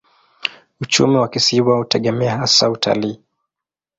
Uchumi wa kisiwa hutegemea hasa utalii.